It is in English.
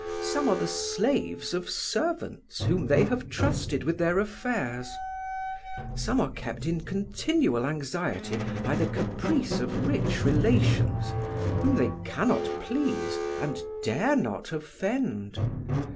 Some are the slaves of servants whom they have trusted with their affairs. Some are kept in continual anxiety by the caprice of rich relations, whom they cannot please and dare not offend.